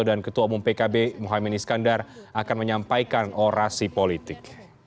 dan ketua umum pkb muhammad iskandar akan menyampaikan orasi politik